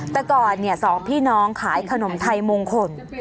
แต่ก่อนสองพี่น้องขายขนมไทยมงคล